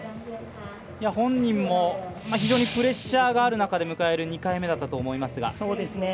本人も非常にプレッシャーがある中で迎える２回目だったと思いますが。